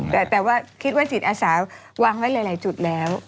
แต่ว่าคิดว่าจิตอาสาวางไว้หลายจุดแล้ว